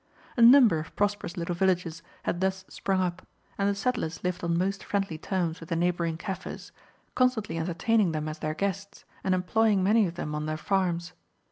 A number of prosperous little villages had thus sprung up, and the settlers lived on most friendly terms with the neighbouring Kaffirs, constantly entertaining them as their guests and employing many of them on their farms.